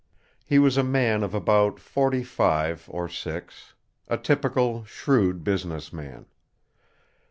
He was a man of about forty five or six a typical, shrewd business man.